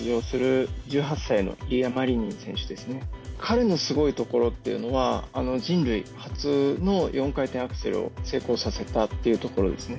彼のすごいところっていうのは人類初の４回転アクセルを成功させたというところですね。